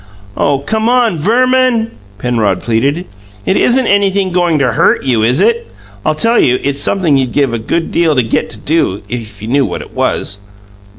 "Oh, COME on, Verman?" Penrod pleaded. "It isn't anything goin' to HURT you, is it? I tell you it's sumpthing you'd give a good deal to GET to do, if you knew what it is."